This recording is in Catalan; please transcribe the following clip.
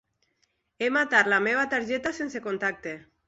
He matar la meva targeta sense contacte.